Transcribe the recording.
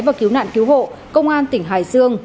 và cứu nạn cứu hộ công an tỉnh hải dương